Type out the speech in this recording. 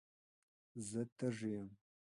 زه تږي یم.